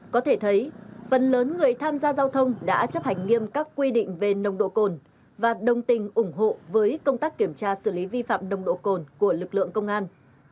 có thể thấy phần lớn người tham gia giao thông đã chấp hành nghiêm các quy định về nồng độ cồn và đồng tình ủng hộ với công tác kiểm tra xử lý vi phạm nồng độ cồn của lực lượng công an